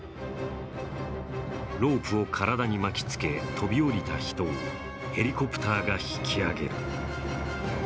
ロープを体に巻き付け、飛び降りた人をヘリコプターが引き上げる。